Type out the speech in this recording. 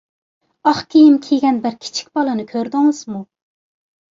ئاق كىيىم كىيگەن بىر كىچىك بالىنى كۆردىڭىزمۇ؟